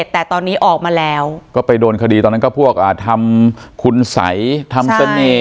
แต่ตอนนี้ออกมาแล้วก็ไปโดนคดีตอนนั้นก็พวกทำคุณสัยทำเสน่ห์